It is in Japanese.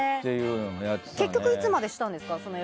結局、いつまでしたんですか？